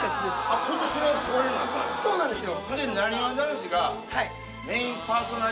そうなんですよ。